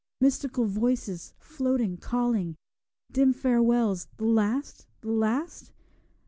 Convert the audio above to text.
Mystical voices, floating, calling; Dim farewells the last, the last?